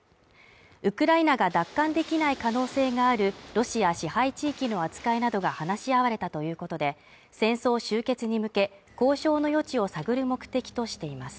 ウクライナが奪還できない可能性があるロシア支配地域の扱いなどが話し合われたということで、戦争終結に向け、交渉の余地を探る目的としています。